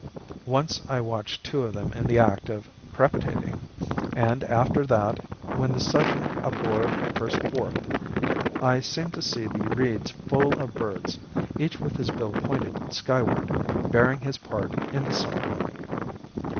_ Once I watched two of them in the act of crepitating, and ever after that, when the sudden uproar burst forth, I seemed to see the reeds full of birds, each with his bill pointing skyward, bearing his part in the salvo.